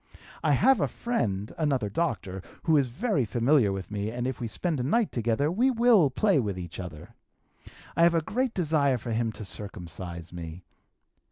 I have a friend (another doctor) who is very familiar with me and if we spend a night together we will play with each other. I have a great desire for him to circumcize me.